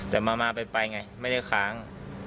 แต่มาไปไงไม่ได้ค้าง